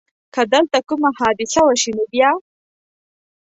که دلته کومه حادثه وشي نو بیا؟